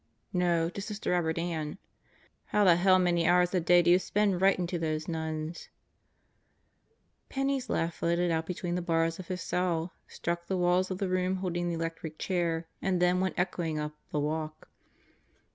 "No. To Sister' Robert Ann." "How the hell many hours a day do you spend writin 3 to those nuns?" Penney's laugh floated out between the bars of his cell, struck the wall of the room holding the electric chair, and then went echoing up "the walk."